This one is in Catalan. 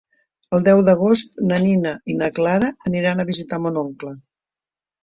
El deu d'agost na Nina i na Clara aniran a visitar mon oncle.